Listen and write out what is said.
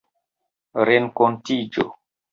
renkontiĝo